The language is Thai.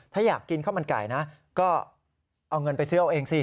ถ้าอยากกินข้าวมันไก่นะก็เอาเงินไปซื้อเอาเองสิ